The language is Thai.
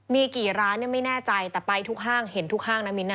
มีกี่ร้านไม่แน่ใจแต่ไปทุกห้างเห็นทุกห้างนะมิ้น